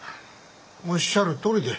おっしゃるとおりで。